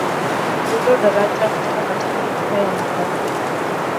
Ndilo daraja kubwa katika Afrika ya Mashariki.